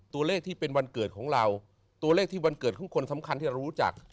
ที่เป็นวันเกิดของเราตัวเลขที่วันเกิดของคนสำคัญที่เรารู้จัก